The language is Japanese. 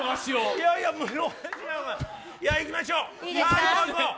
いやいや、いきましょう。